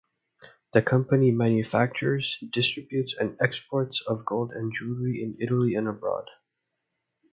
The company manufactures, distributes and exports of gold and jewelry in Italy and abroad.